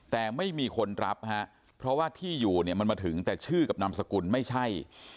แต่ไม่มีคนรับฮะเพราะว่าที่อยู่เนี่ยมันมาถึงแต่ชื่อกับนามสกุลไม่ใช่